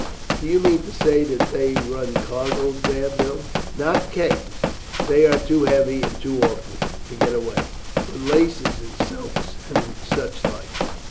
"Do you mean to say that they run cargoes there, Bill?" "Not kegs they are too heavy and too awkward to get away but laces, and silks, and such like.